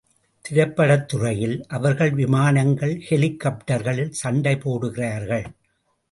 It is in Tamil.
திரைப்படத் துறையில், அவர்கள் விமானங்கள் ஹெலிகாப்டர்களில் சண்டை போடுகிறார்கள்.